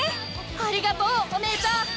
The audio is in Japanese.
ありがとうお姉ちゃん！